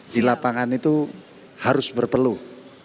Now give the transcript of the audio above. di lapangan itu harus berpeluh